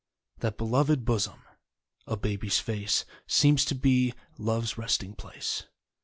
That beloved blossom A baby's face Seems to be Love's resting place.